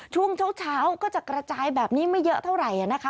ช่วงเช้าก็จะกระจายแบบนี้ไม่เยอะเท่าไหร่นะคะ